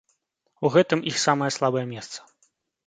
У гэтым іх самае слабае месца.